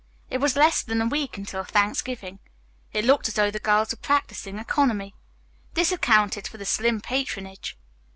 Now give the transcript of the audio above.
It was less than a week until Thanksgiving. It looked as though the girls were practicing economy. This accounted for the slim patronage.